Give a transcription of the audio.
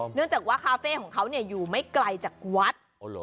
เนื่องจากว่าคาเฟ่ของเขาอยู่ไม่ไกลจากวัด